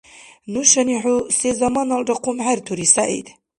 Нушани хӀу сезаманалра хъумхӀертури, СягӀид!